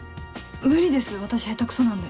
無理です私下手クソなんで。